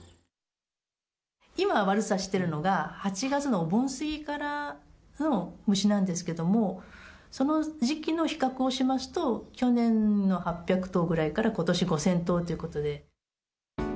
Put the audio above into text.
今、悪さしてるのが、８月のお盆過ぎからの虫なんですけども、その時期の比較をしますと、去年の８００頭ぐらいからことし５０００頭ってことで。